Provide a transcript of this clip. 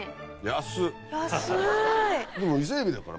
安い。